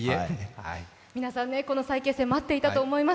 皆さん、この再結成を待っていたと思います。